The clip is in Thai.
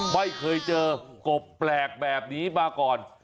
ไม่เคยเจอกบแปลกแบบนี้มาก่อน